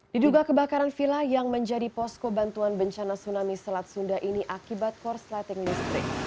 diduga kebakaran villa yang menjadi posko bantuan bencana tsunami selat sunda ini akibat korsleting listrik